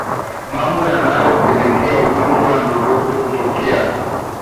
Mambo yanayopelekea ugonjwa wa ndorobo kutokea